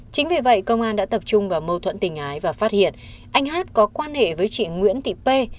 chính vì vậy công an đã tập trung vào mâu thuẫn tình ái và phát hiện anh hát có quan hệ với chị nguyễn thị pê